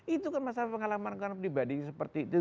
itu kan masalah pengalaman korup tibadi seperti itu